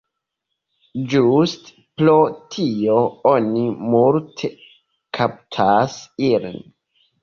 Ĝuste pro tio oni multe kaptas ilin.